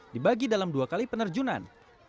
dibagi dalam dua kali penerjunan